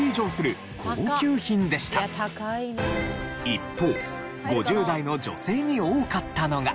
一方５０代の女性に多かったのが。